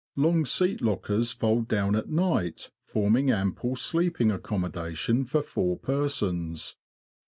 Long seat lockers fold down at night, forming ample sleeping accommodation for four persons.